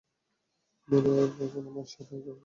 Mary, এখানে আমার সাথে দেখা কর।